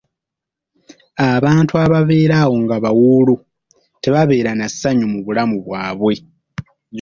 Abantu ababeera awo nga bawuulu tebabeera nassanyu mu bulamu bwabwe.